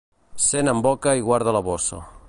Cent en boca i guarda la bossa.